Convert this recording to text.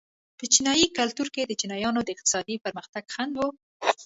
په چینايي کلتور کې د چینایانو د اقتصادي پرمختګ خنډ و.